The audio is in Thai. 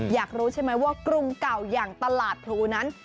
อยากรู้ใช่ไหมว่ากรุงเก่าอย่างตลาดพลูนั้น